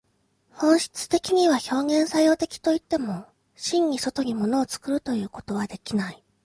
本質的には表現作用的といっても、真に外に物を作るということはできない。